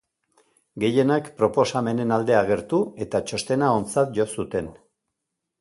Gehienak proposamenen alde agertu eta txostena ontzat jo zuten.